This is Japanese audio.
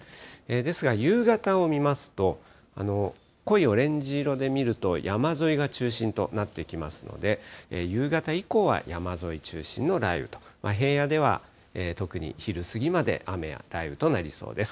ですが、夕方を見ますと、濃いオレンジ色で見ると、山沿いが中心となってきますので、夕方以降は山沿い中心の雷雨と、平野では特に昼過ぎまで雨や雷雨となりそうです。